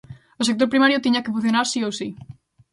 O sector primario tiña que funcionar si ou si.